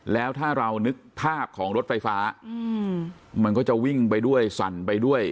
แล้วถ้าเรานึกภาพของรถไฟฟ้ามันก็จะวิ่งไปด้วยสั่นไปด้วย